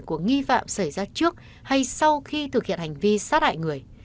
của nghi phạm xảy ra trước hay sau khi thực hiện hành vi sát hại người